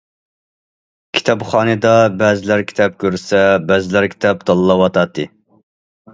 كىتابخانىدا بەزىلەر كىتاب كۆرسە، بەزىلەر كىتاب تاللاۋاتاتتى.